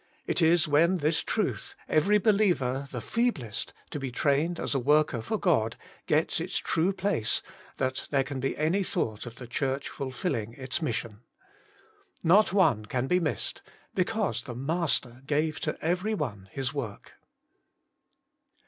It is when this truth, every be liever, the feeblest, to be trained as a worker for God, gets its true place, that there can be any thought of the Church fulfilling its mission. Not one can be missed, because the Master gave to every one his work.